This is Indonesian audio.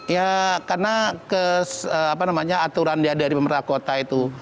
ya karena aturan dari pemerintah kota itu